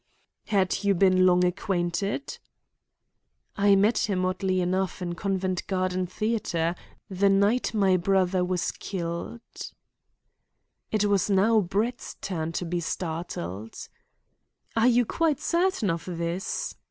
"Had you been long acquainted" "I met him, oddly enough, in Covent Garden Theatre, the night my brother was killed" It was now Brett's turn to be startled. "Are you quite certain of this?"